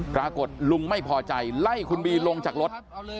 ปรากฏลุงไม่พอใจไล่คุณบีลงจากรถ